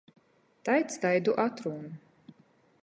Taids taidu atrūn.